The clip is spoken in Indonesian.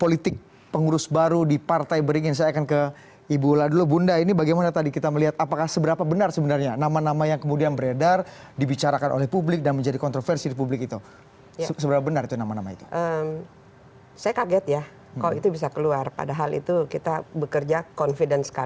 orangnya jadi semua akomodatif